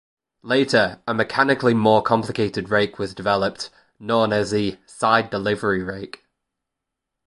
Later, a mechanically more complicated rake was developed, known as the "side delivery rake".